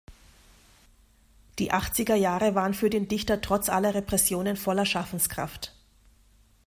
Die achtziger Jahre waren für den Dichter trotz aller Repressionen voller Schaffenskraft.